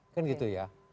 kan gitu ya